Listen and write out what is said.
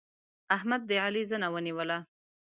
احمد د علي زنه ونيوله.